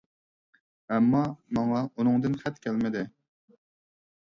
ئەمما، ماڭا ئۇنىڭدىن خەت كەلمىدى.